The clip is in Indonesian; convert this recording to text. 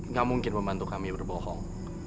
nggak mungkin pembantu kami berbohong